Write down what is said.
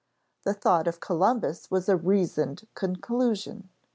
The thought of Columbus was a reasoned conclusion.